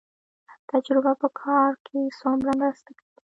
تجربه په کار کې څومره مرسته کوي؟